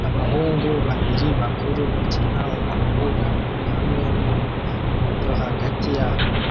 Abahungu babiri bakuru bakina urubura hamwe numuhungu muto hagati yabo